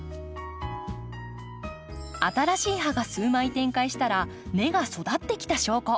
新しい葉が数枚展開したら根が育ってきた証拠。